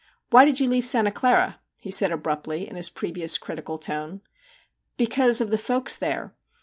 'Why did you leave Santa Clara ?' he said abruptly, in his previous critical tone. * Because of the folks there.